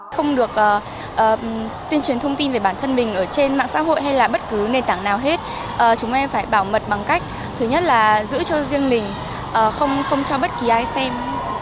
không được tuyên truyền thông tin về bản thân mình ở trên mạng xã hội hay là bất cứ nền tảng nào hết chúng em phải bảo mật bằng cách thứ nhất là giữ cho riêng mình không cho bất kỳ ai xem